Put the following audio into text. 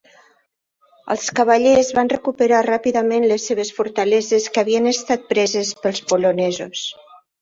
Els cavallers van recuperar ràpidament les seves fortaleses que havien estat preses pels polonesos.